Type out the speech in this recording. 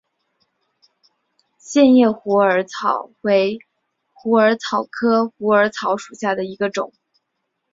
线叶虎耳草为虎耳草科虎耳草属下的一个种。